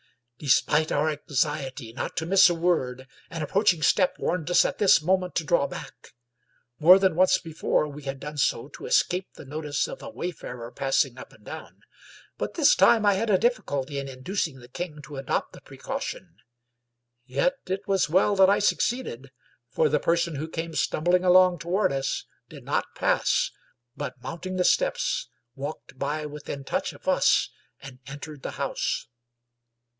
Despite our anxiety not to miss a word, an approaching step warned us at this moment to draw back. More than once before we had done so to escape the notice of a way farer passing up and down. But this time I had a dif ficulty in inducing the king to adopt the precaution. Yet it was well that I succeeded, for the person who came stumbling along toward us did not pass, but, mounting the steps, walked by within touch of us and entered the house.